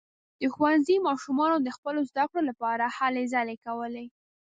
د ښوونځي ماشومانو د خپلو زده کړو لپاره هلې ځلې کولې.